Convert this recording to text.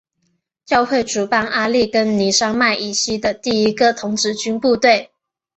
教会主办阿利根尼山脉以西的第一个童子军部队。